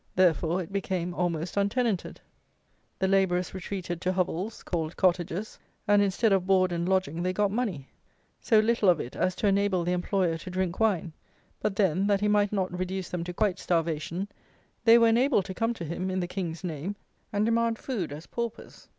Therefore, it became almost untenanted; the labourers retreated to hovels, called cottages; and, instead of board and lodging, they got money; so little of it as to enable the employer to drink wine; but, then, that he might not reduce them to quite starvation, they were enabled to come to him, in the king's name, and demand food as paupers.